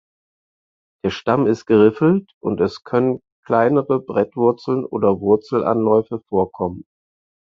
Der Stamm ist geriffelt und es können kleinere Brettwurzeln oder Wurzelanläufe vorkommen.